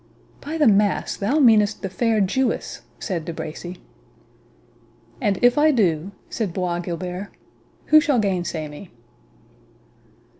"By the mass, thou meanest the fair Jewess!" said De Bracy. "And if I do," said Bois Guilbert, "who shall gainsay me?"